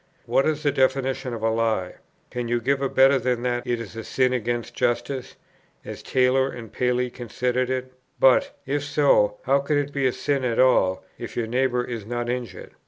What is the definition of a lie? Can you give a better than that it is a sin against justice, as Taylor and Paley consider it? but, if so, how can it be a sin at all, if your neighbour is not injured?